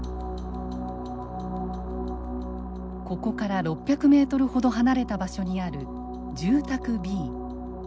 ここから６００ｍほど離れた場所にある住宅Ｂ。